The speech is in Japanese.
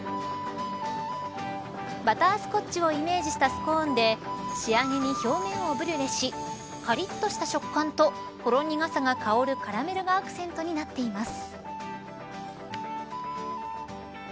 バタースコッチをイメージしたスコーンで仕上げに表面をブリュレしかりっとした食感とほろ苦さが香るカラメルがアクセントになっています。